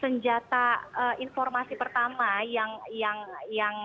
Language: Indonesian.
senjata informasi pertama yang yang saya dapat